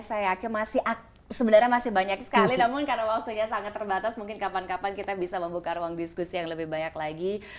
saya yakin sebenarnya masih banyak sekali namun karena waktunya sangat terbatas mungkin kapan kapan kita bisa membuka ruang diskusi yang lebih banyak lagi